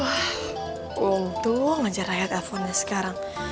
wah untung aja raya teleponnya sekarang